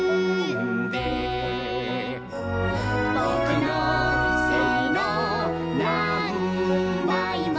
「ぼくのせいのなんばいも」